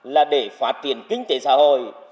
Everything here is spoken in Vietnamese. là để phát triển kinh tế xã hội